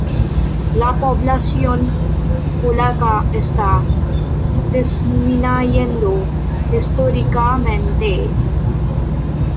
La población polaca está disminuyendo históricamente.